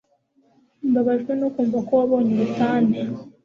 Mbabajwe no kumva ko wabonye ubutane